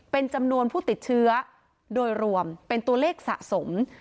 เป็นจำนวนผู้ติดเชื้อโดยรวมเป็นตัวเลขสะสม